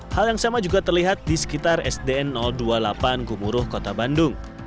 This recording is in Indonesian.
hal yang sama juga terlihat di sekitar sdn dua puluh delapan gumuruh kota bandung